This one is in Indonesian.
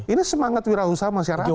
ini semangat wirausaha masyarakat